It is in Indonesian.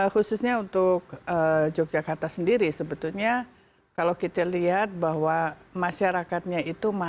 khususnya untuk yogyakarta sendiri sebetulnya kalau kita lihat bahwa masyarakatnya itu